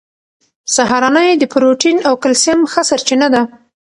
سهارنۍ د پروټین او کلسیم ښه سرچینه ده.